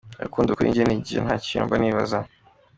Urukundo kuri njye ni igihe nta kintu mba nibaza”.